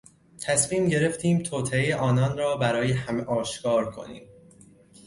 تصمیم گرفتیم توطئه آنان را برای همه آشکار کنیم.